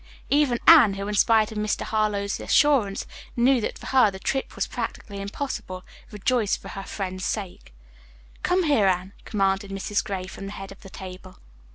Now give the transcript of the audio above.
Even Anne, who in spite of Mr. Harlowe's assurance, knew that for her the trip was practically impossible, rejoiced for her friends' sake. "Come here, Anne," commanded Mrs. Gray from the head of the table.